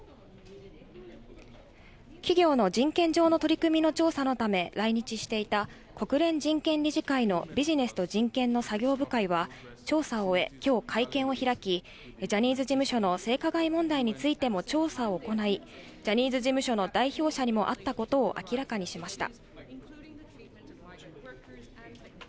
企業の人権上の取り組みの調査のため、来日していた、国連人権理事会のビジネスと人権の作業部会は調査を終え、きょう、会見を開き、ジャニーズ事務所の性加害問題についても調査を行い、ジャニーズ事務所の代表者にも会ったことを明らかにしました。